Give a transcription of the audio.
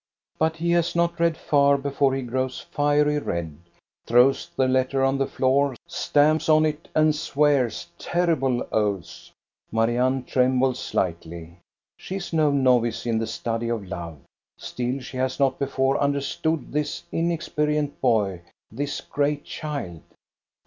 But he has not read far before he grows fiery red, throws the letter on the floor, stamps on it, and swears terrible oaths. Marianne trembles slightly. She is no novice in the study of love ;' still she has not before tmderstood this inexperienced boy, this great child.